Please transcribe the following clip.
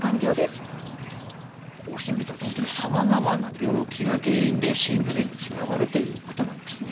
こうして見ると本当にさまざまな病気が原因で心不全につながるということなんですね。